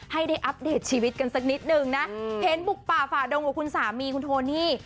ให้ได้อัปเดตชีวิตกันสักนิดนึงนะเห็นบุกป่าฝ่าดงกับคุณสามีคุณโทนี่